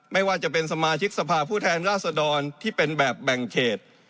ไม่ว่าจะเป็นสมาชิกสภาพผู้แทนราษดรที่เป็นแบบแบ่งเขต